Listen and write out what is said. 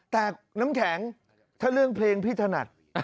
แต่น้ำแข็งถ้าเรื่องเพลงพี่ถนัด